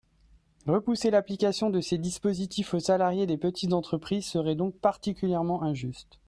Repousser l’application de ces dispositifs aux salariés des petites entreprises serait donc particulièrement injuste.